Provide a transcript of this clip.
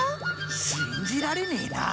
信じられねえな。